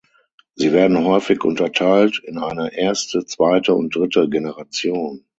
Sie werden häufig unterteilt in eine erste, zweite und dritte Generation.